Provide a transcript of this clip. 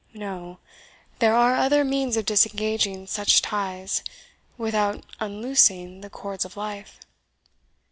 No; there are other means of disengaging such ties, without unloosing the cords of life.